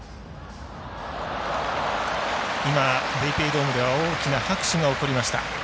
ＰａｙＰａｙドームでは大きな拍手が起こりました。